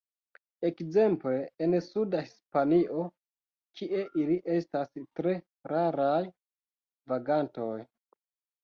Ekzemple en suda Hispanio, kie ili estas tre raraj vagantoj.